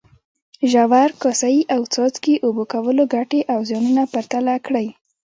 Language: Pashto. ژور، کاسه یي او څاڅکي اوبه کولو ګټې او زیانونه پرتله کړئ.